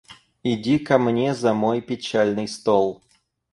Иди ко мне за мой печальный стол.